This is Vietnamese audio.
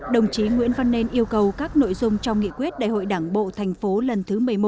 đồng chí nguyễn văn nên yêu cầu các nội dung trong nghị quyết đại hội đảng bộ thành phố lần thứ một mươi một